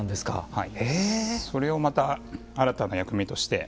はい。